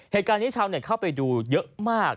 เหตุการณ์นี้ชาวเน็ตเข้าไปดูเยอะมาก